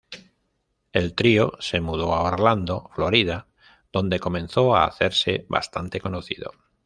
El trío se mudó a Orlando, Florida, donde comenzó a hacerse bastante conocido.